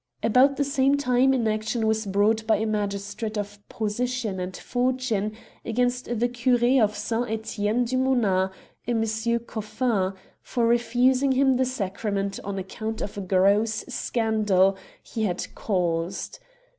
215 Curiosities of Olden Times About the same time an action was brought by a magistrate of position and fortune against the cure of St Etienne du Mont, a M. Coffin, for refusing him the sacrament on account of a gross scandal he had caused.